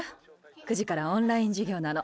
９時からオンラインじゅぎょうなの。